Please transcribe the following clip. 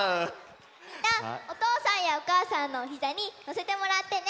みんなおとうさんやおかあさんのおひざにのせてもらってね！